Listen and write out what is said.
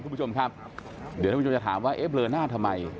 คุณผู้ชมครับเดี๋ยวท่านผู้ชมจะถามว่าเอ๊ะเบลอหน้าทำไม